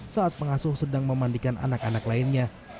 saat pengasuh sedang memandikan anak anak lainnya